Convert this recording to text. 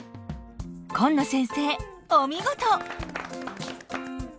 紺野先生お見事！